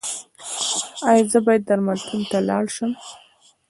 ایا زه باید درملتون ته لاړ شم؟